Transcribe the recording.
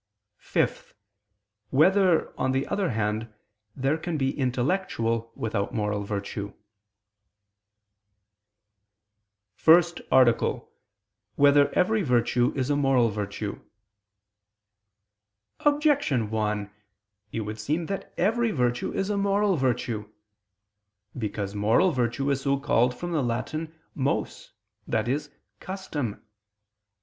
(5) Whether, on the other hand, there can be intellectual without moral virtue? ________________________ FIRST ARTICLE [I II, Q. 58, Art. 1] Whether Every Virtue Is a Moral Virtue? Objection 1: It would seem that every virtue is a moral virtue. Because moral virtue is so called from the Latin mos, i.e. custom.